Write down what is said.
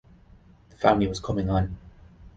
The family was coming on.